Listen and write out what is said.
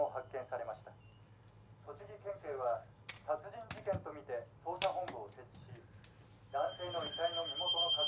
栃木県警は殺人事件とみて捜査本部を設置し男性の遺体の身元の確認を。